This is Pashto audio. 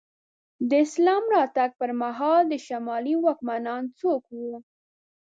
د اسلام راتګ پر مهال د شمالي واکمنان څوک وو؟